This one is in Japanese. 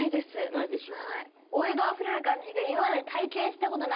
ないでしょ。